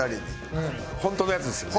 本当のやつですよね？